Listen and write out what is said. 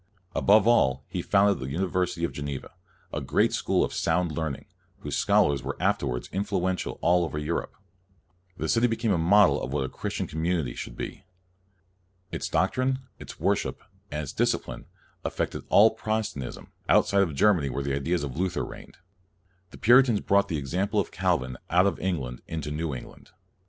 Above all he founded the University of Geneva, a great school of sound learning, whose scholars were afterwards influential all over Europe. The city became a model of what a Christian community should be. Its doctrine, its worship, and its disci pline affected all Protestantism, outside of Germany where the ideas of Luther reigned. The Puritans brought the ex ample of Calvin out of England into New England.